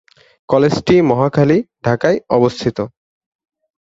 কলেজটি মহাখালী, ঢাকায়, অবস্থিত।